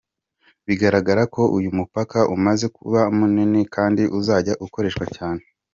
Biragaragara ko uyu mupaka umaze kuba munini kandi uzajya ukoreshwa cyane.